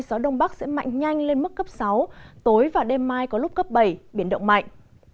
gió đông bắc sẽ mạnh nhanh lên mức cấp sáu tối và đêm mai có lúc cấp bảy biển động mạnh